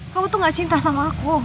kamu tuh gak cinta sama aku